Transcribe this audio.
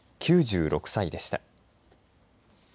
９６歳でした。